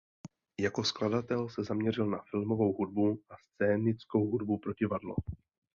Jako skladatel se zaměřil na filmovou hudbu a scénickou hudbu pro divadlo.